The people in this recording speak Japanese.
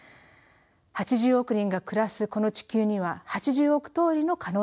８０億人が暮らすこの地球には８０億通りの可能性があります。